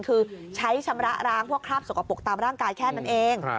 คือใช้ชำระร้างพวกคราบสกปรกตามร่างกายแค่นั้นเอง